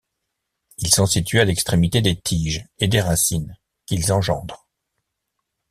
Ils sont situés à l'extrémité des tiges et des racines, qu'ils engendrent.